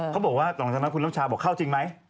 เขาบอกว่าหลังจากนั้นคุณน้ำชาบอกเข้าจริงไหม